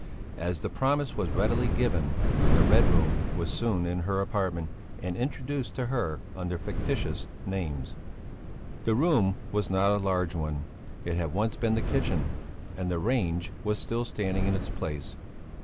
As the promise was readily given, the Red Room was soon in her apartment, and introduced to her under fictitious names. The room was not a large one; it had once been the kitchen, and the range was still standing in its place.